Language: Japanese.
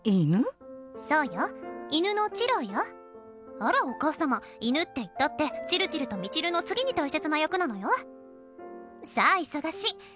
「あらお母さま犬っていったってチルチルとミチルの次に大切な役なのよ」。